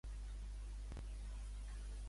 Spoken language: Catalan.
Quan van ocórrer les seves proeses?